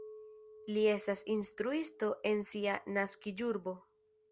Li estas instruisto en sia naskiĝurbo.